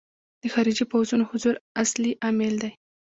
د خارجي پوځونو حضور اصلي عامل دی.